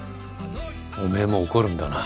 おめえも怒るんだな。